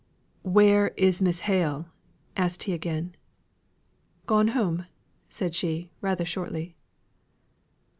"Where is Miss Hale?" asked he again. "Gone home," said she, rather shortly.